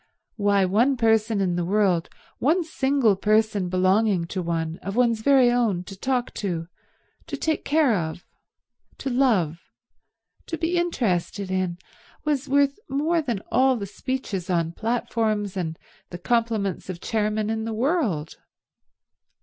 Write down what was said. Why, one person in the world, one single person belonging to one, of one's very own, to talk to, to take care of, to love, to be interested in, was worth more than all the speeches on platforms and the compliments of chairmen in the world.